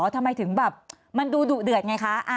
ทำไมถึงแบบมันดูดุเดือดไงคะ